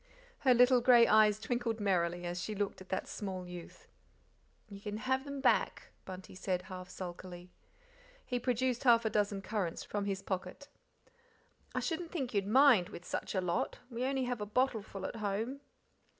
Her little grey eyes twinkled merrily as she looked at that small youth. "You can have them back," Bunty said, half sulkily. He produced half a dozen currants from his pocket. "I shouldn't think you'd mind, with such a lot; we only have a bottleful at home."